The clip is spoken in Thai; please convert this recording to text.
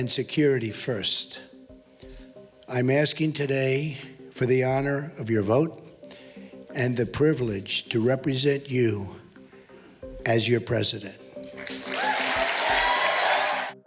และรัฐที่จะจัดการเป็นประเทศของเจ้า